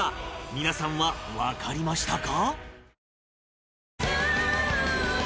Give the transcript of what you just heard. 皆さんはわかりましたか？